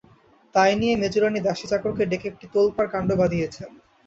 তাই নিয়ে মেজোরানী দাসী-চাকরকে ডেকে একটা তোলপাড় কাণ্ড বাধিয়েছেন।